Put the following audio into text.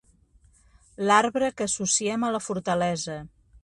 L'arbre que associem a la fortalesa.